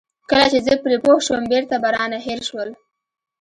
کله چې زه پرې پوه شوم بېرته به رانه هېر شول.